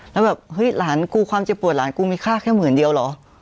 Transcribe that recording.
แล้วแบบเฮ้ยหลานกูความเจ็บปวดหลานกูมีค่าแค่หมื่นเดียวเหรอ